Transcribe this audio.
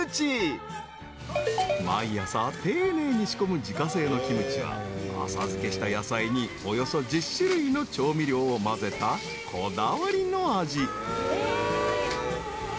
［毎朝丁寧に仕込む自家製のキムチは浅漬けした野菜におよそ１０種類の調味料をまぜたこだわりの味］